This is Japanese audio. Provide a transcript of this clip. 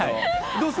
どうです？